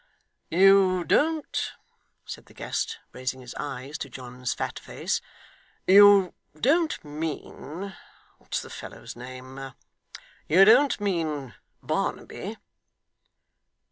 'You don't,' said the guest, raising his eyes to John's fat face, 'you don't mean what's the fellow's name you don't mean Barnaby?